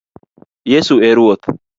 Yesu e Ruoth